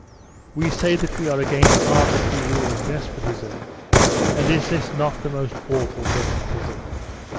"We say that we are against arbitrary rule and despotism, and is this not the most awful despotism?"